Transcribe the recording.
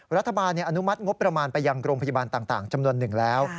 อนุมัติงบประมาณไปยังโรงพยาบาลต่างจำนวนหนึ่งแล้ว